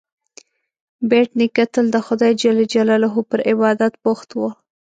بېټ نیکه تل د خدای جل جلاله پر عبادت بوخت و.